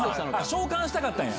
召喚したかったんや。